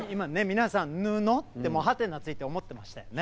皆さん「布？」ってハテナついて思ってましたよね。